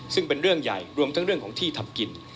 ซึ่งเป็นเรื่องใหญ่รวมทั้งเรื่องของที่ทำกิน